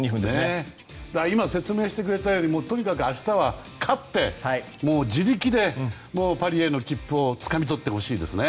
今、説明してくれたようにとにかく明日は勝って自力でパリへの切符をつかみ取ってほしいですね。